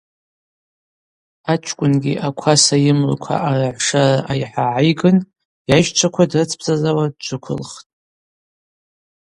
Ачкӏвынгьи акваса йымлыкв аъарагӏвшара айхӏа гӏайгын йайщчваква дрыцбзазауа дджвыквылхтӏ.